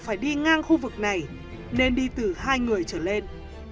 phải đi ngang khu vực này nên đi từ hai người trở lên